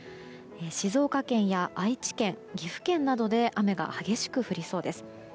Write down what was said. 静岡県や愛知県、岐阜県などで雨が激しく降りそうです。